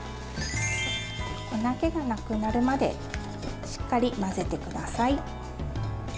粉けがなくなるまでしっかり混ぜてください。